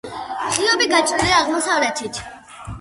ღიობი გაჭრილია აღმოსავლეთით.